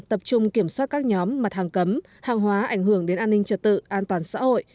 tập trung kiểm soát các nhóm mặt hàng cấm hàng hóa ảnh hưởng đến an ninh trật tự an toàn xã hội